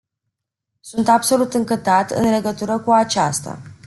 Sunt absolut încântat în legătură cu aceasta.